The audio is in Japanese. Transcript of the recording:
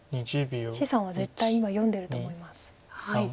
謝さんは絶対今読んでると思います。